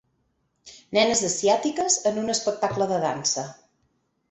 Nenes asiàtiques en un espectacle de dansa.